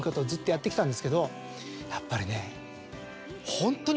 やっぱりね。